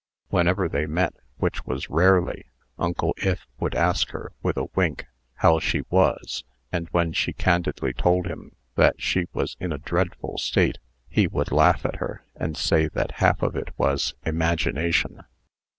Whenever they met which was rarely Uncle Ith would ask her, with a wink, how she was; and when she candidly told him that she was in a dreadful state, he would laugh at her, and say that half of it was "imagination."